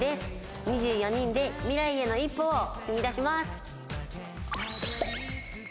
２４人でミライへの一歩を踏み出します。